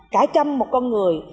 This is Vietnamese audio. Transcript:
cả trăm một con người